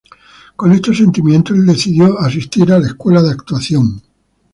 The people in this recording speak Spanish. Con estos sentimientos el decidió asistir a la escuela de actuación.